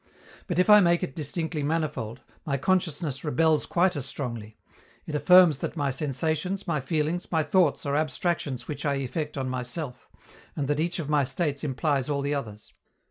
But, if I make it distinctly manifold, my consciousness rebels quite as strongly; it affirms that my sensations, my feelings, my thoughts are abstractions which I effect on myself, and that each of my states implies all the others.